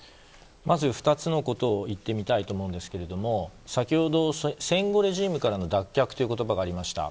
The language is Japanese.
まず２つのことを言ってみたいと思うんですけれども先ほど戦後レジームからの脱却という言葉がありました。